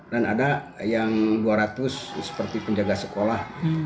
dan ada yang rp dua ratus seperti penjaga sekolah